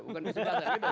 bukan kesebelasan gitu